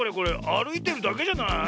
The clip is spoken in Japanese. あるいてるだけじゃない。